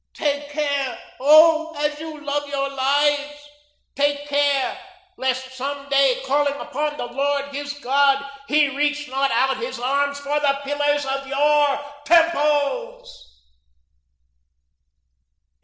Take care, oh, as you love your lives, take care, lest some day calling upon the Lord his God he reach not out his arms for the pillars of your temples."